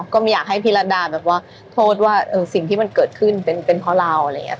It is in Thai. ก็ไม่อยากให้พี่ระดาวแบบว่าโทษว่าสิ่งที่มันเกิดขึ้นเป็นเพราะเรา